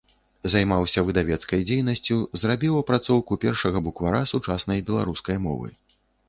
Займаўся выдавецкай дзейнасцю, зрабіў апрацоўку першага буквара сучаснай беларускай мовы.